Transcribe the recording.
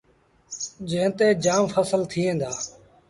جݩهݩ تي جآم ڦسل ٿئيٚݩ دآ۔